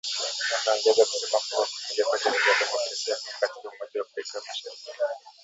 Wameongeza kusema kuwa kuingia kwa Jamuhuri ya Demokrasia ya Kongo katika umoja wa afrika mashariki